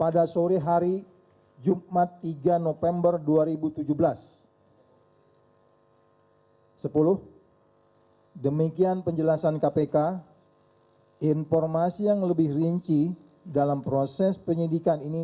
sepuluh demikian penjelasan kpk informasi yang lebih rinci dalam proses penyidikan ini